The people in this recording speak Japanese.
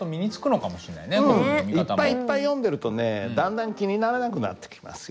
割といっぱいいっぱい読んでるとねだんだん気にならなくなってきます